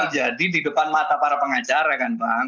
di depan mata para pengacara kan bang